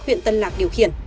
huyện tân lạc